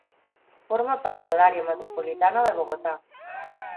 Forma part de l'àrea metropolitana de Bogotà.